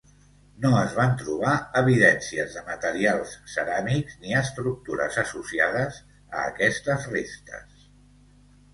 No es van trobar evidències de materials ceràmics ni estructures associades a aquestes restes.